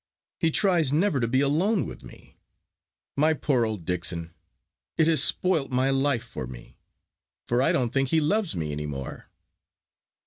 He tries never to be alone with me. My poor old Dixon, it has spoilt my life for me; for I don't think he loves me any more."